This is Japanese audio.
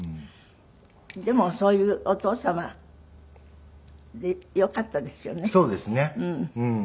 でもそういうお父様でよかったですよね。